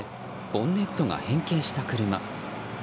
ボンネットが変形した車。